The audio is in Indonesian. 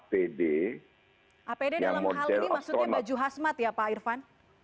apd dalam hal ini maksudnya baju khasmat ya pak irfan